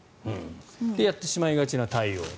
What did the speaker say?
で、やってしまいがちな対応。